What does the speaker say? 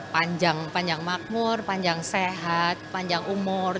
panjang panjang makmur panjang sehat panjang umur